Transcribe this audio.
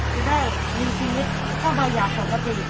จะได้มีชีวิตที่เข้ามาอยากสมกติ